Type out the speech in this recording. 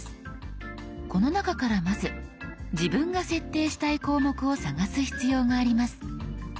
この中からまず自分が設定したい項目を探す必要があります。